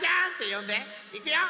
いくよ！